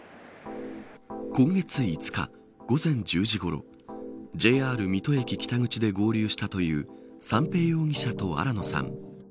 今月５日午前１０時ごろＪＲ水戸駅北口で合流したという三瓶容疑者と新野さん。